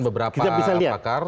sebenarnya kan beberapa pakar